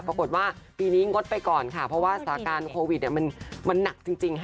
ปรากฏว่าปีนี้งดไปก่อนค่ะเพราะว่าสถานการณ์โควิดมันหนักจริงค่ะ